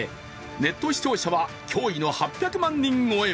ネット視聴者は驚異の８００万人超え。